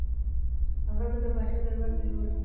هغه زه د پاچا دربار ته یووړم.